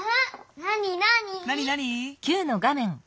なになに？